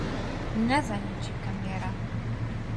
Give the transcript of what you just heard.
نازانم چی بکەم لێرە.